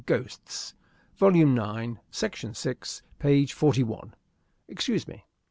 Ghosts. Volume nine, section six, page forty one. Excuse me!"